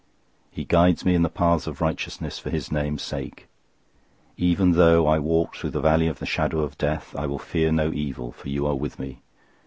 He guides me in the paths of righteousness for his name's sake. 023:004 Even though I walk through the valley of the shadow of death, I will fear no evil, for you are with me.